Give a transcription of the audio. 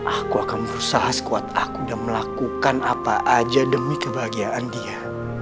aku akan berusaha sekuat aku dan melakukan apa aja demi kebahagiaan dia